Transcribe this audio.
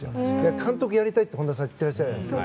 監督をやりたいって本田さんは言ってらっしゃるじゃないですか。